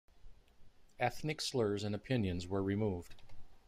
Ethnic slurs and opinions were removed.